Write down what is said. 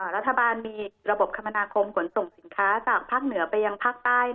รัฐบาลมีระบบคมนาคมขนส่งสินค้าจากภาคเหนือไปยังภาคใต้